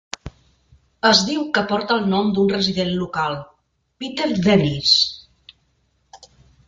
Es diu que porta el nom d'un resident local, Peter Dennis.